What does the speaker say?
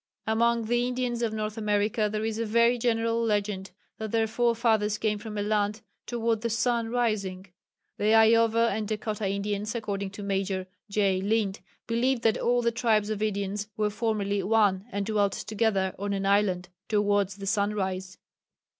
Amongst the Indians of North America there is a very general legend that their forefathers came from a land "toward the sun rising." The Iowa and Dakota Indians, according to Major J. Lind, believed that "all the tribes of Indians were formerly one and dwelt together on an island ... towards the sunrise."